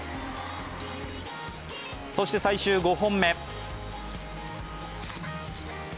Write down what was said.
そして最終５本目。